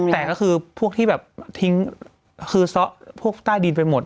แต่ก็คือพวกที่แบบทิ้งคือซ้อพวกใต้ดินไปหมด